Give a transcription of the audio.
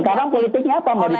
sekarang politiknya apa